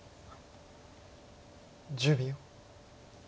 １０秒。